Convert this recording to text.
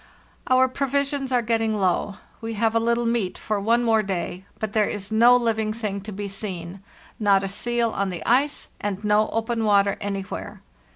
"Our provisions are getting low; we have a little meat for one more day, but there is no living thing to be seen, not a seal on the ice, and no open water any where.